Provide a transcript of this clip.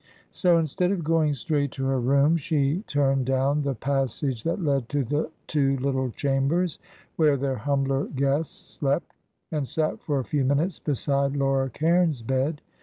So, instead of going straight to her room, she turned down the passage that led to the two little chambers where their humbler guests slept, and sat for a few minutes beside Laura Cairns' bed.